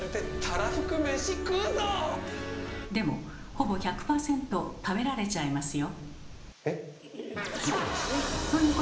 でもほぼ１００％食べられちゃいますよ。